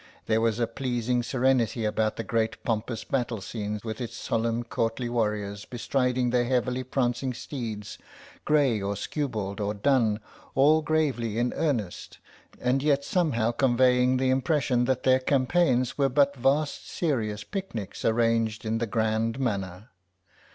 There was a pleasing serenity about the great pompous battle scene with its solemn courtly warriors bestriding their heavily prancing steeds, grey or skewbald or dun, all gravely in earnest, and yet somehow conveying the impression that their campaigns were but vast serious picnics arranged in the grand manner.